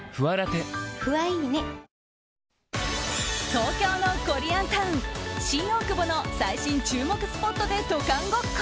東京のコリアンタウン新大久保の最新注目スポットで渡韓ごっこ。